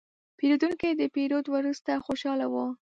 پیرودونکی د پیرود وروسته خوشاله و.